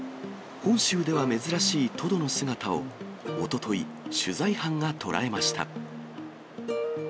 本州では珍しいトドの姿をおととい、取材班が捉えました。